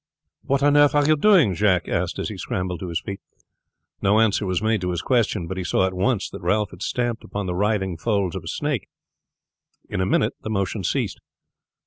"What on earth are you doing?" Jacques asked as he scrambled to his feet. No answer was made to his question, but he saw at once that Ralph was stamping upon the writhing folds of a snake. In a minute the motion ceased.